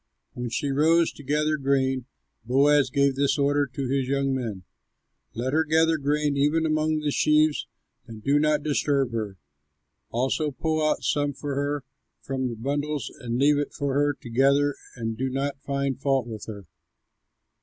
When she rose to gather grain, Boaz gave this order to his young men: "Let her gather grain even among the sheaves and do not disturb her. Also pull out some for her from the bundles and leave it for her to gather and do not find fault with her."